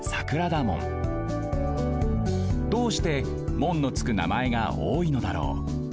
どうして「門」のつくなまえがおおいのだろう。